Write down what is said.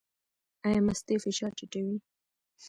ایا مستې فشار ټیټوي؟